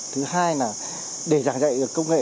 thứ hai là để giảng dạy công nghệ